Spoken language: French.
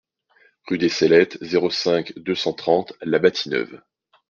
Rue des Cellettes, zéro cinq, deux cent trente La Bâtie-Neuve